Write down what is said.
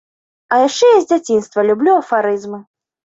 А яшчэ я з дзяцінства люблю афарызмы.